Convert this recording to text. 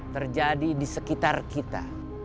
terjadi di sekitar kita